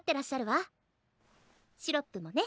シロップもね。